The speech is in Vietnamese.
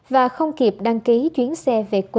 và không kịp đăng ký chuyến xe